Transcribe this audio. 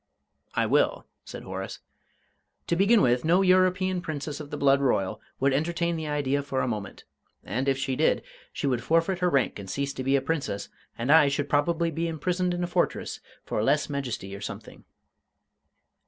"I will," said Horace. "To begin with, no European Princess of the Blood Royal would entertain the idea for a moment. And if she did, she would forfeit her rank and cease to be a Princess, and I should probably be imprisoned in a fortress for lèse majesté or something."